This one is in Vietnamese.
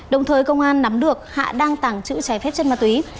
đồng thời công an nắm được hạ đang tàng trữ trái phép chất ma túy